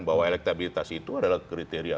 bahwa elektabilitas itu adalah kriteria